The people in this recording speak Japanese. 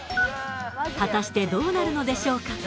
果たしてどうなるのでしょうか？